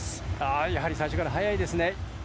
やはり最初から速いですね。